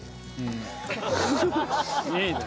いいね。